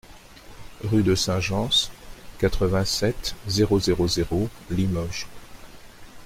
Rue de Saint Gence, quatre-vingt-sept, zéro zéro zéro Limoges